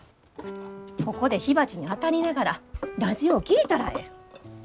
ここで火鉢にあたりながらラジオ聴いたらええ。